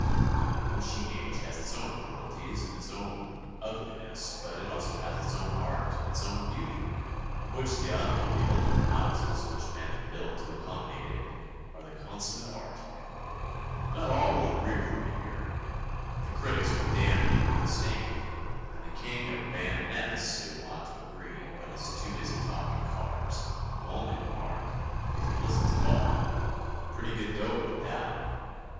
The machine age has its own cruelties and its own, ugliness, but it also has its own art and its own beauty, of which the automobile and the houses which men have built to accommodate it, are the consummate art. Not all will agree with me here. The critics will damn me with disdain, and the King of Van Ness, who ought to agree, but is too busy talking cars, will only remark, if he listens at all: "Pretty good dope at that."